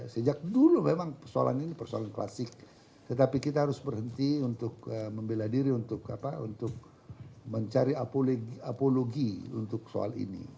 sejak dulu memang persoalan ini persoalan klasik tetapi kita harus berhenti untuk membela diri untuk mencari apologi untuk soal ini